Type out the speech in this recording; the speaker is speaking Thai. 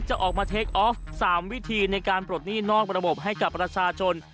จะออกมาเทคออฟ๓วิธีในการปลดหนี้นอกระบบให้กับประชาชน